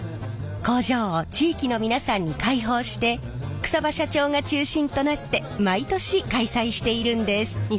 工場を地域の皆さんに開放して草場社長が中心となって毎年開催しているんです。